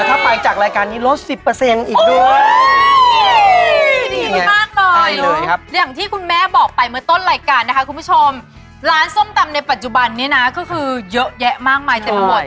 แต่ถ้าไปจากรายการหนึ่งลด๑๐อีกด้วย